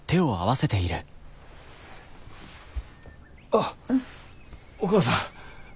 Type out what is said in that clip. あっお義母さん。